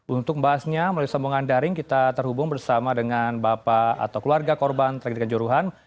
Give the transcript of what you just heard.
untuk membahasnya melalui sambungan daring kita terhubung bersama dengan bapak atau keluarga korban tragedikan juruhan